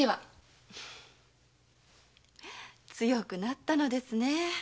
強くなったのですね。